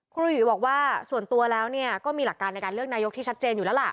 หุยบอกว่าส่วนตัวแล้วก็มีหลักการในการเลือกนายกที่ชัดเจนอยู่แล้วล่ะ